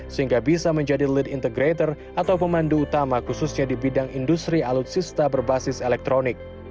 sehingga bisa menjadi lead integrator atau pemandu utama khususnya di bidang industri alutsista berbasis elektronik